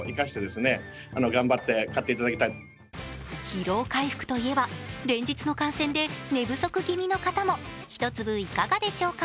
疲労回復といえば、連日の観戦で寝不足気味の方も１粒、いかがでしょうか？